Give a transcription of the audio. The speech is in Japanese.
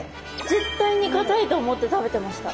絶対にかたいと思って食べてました。